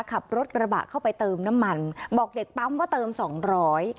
ขับรถกระบะเข้าไปเติมน้ำมันบอกเด็กปั๊มว่าเติมสองร้อย